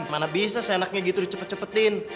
mana bisa senaknya gitu di cepet cepetin